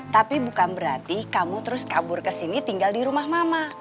tapi bukan berarti kamu terus kabur ke sini tinggal di rumah mama